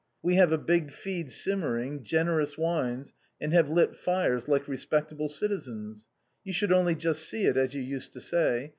We have a big feed simmering, gen erous wines, and have lit fires like respectable citizens. You should only just see it, as you used to say.